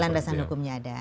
landasan hukumnya ada